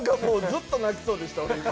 ずっと泣きそうでした。